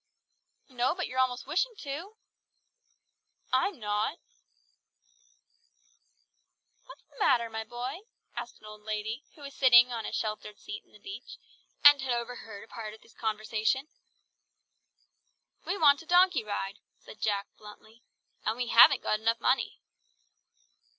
"No, but you're almost wishing to!" "I'm not," said Jack sullenly. "What's the matter, my boy?" asked an old lady, who was sitting on a sheltered seat on the beach, and who had overheard a part of this conversation. "We want a donkey ride," said Jack bluntly; "and we haven't got enough money."